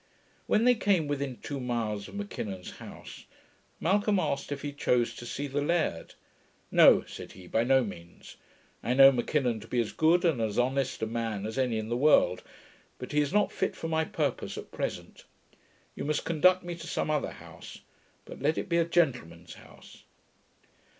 When they came within two miles of M'Kinnon's house, Malcolm asked if he chose to see the laird. 'No,' said he, 'by no means. I know M'Kinnon to be as good and as honest a man as any in the world, but he is not fit for my purpose at present. You must conduct me to some other house; but let it be a gentleman's house.'